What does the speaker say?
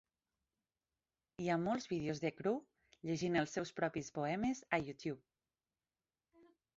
Hi ha molts vídeos de Crew llegint els seus propis poemes a YouTube.